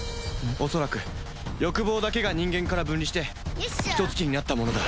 恐らく欲望だけが人間から分離してヒトツ鬼になったものだ。